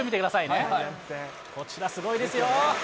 こちらすごいですよ。